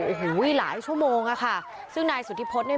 โอ้โหหลายชั่วโมงอะค่ะซึ่งนายสุธิพฤษเนี่ย